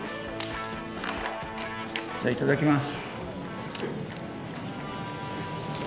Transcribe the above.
じゃあいただきます。